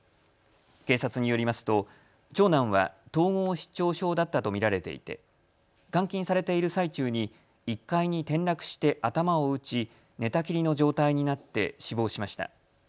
警察によりますと、長男は統合失調症だったと見られていて監禁されている最中に１階に転落して頭を打ち、寝たきりの状態になって死亡しました。